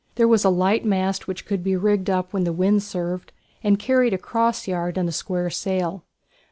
There was a light mast which could be rigged up when the wind served, and carried a cross yard and a square sail.